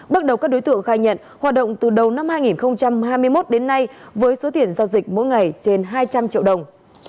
bước đầu các đối tượng khai nhận hoạt động từ đầu năm hai nghìn hai mươi một đến nay với số tiền giao dịch mỗi ngày trên hai trăm linh triệu đồng